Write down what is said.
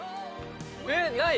えっない。